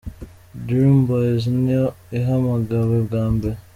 Dream Boys niyo ihamagawe bwa mbere.